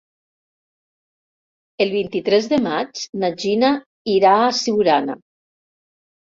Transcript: El vint-i-tres de maig na Gina irà a Siurana.